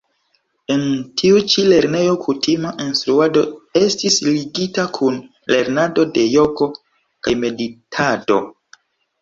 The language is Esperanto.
En tiu ĉi lernejo kutima instruado estis ligita kun lernado de jogo kaj meditado.